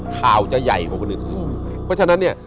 ข่าวจะใหญ่กว่าคนอื่นเพราะฉะนั้นเนี่ย